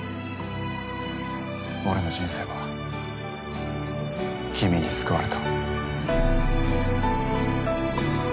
俺の人生は君に救われた。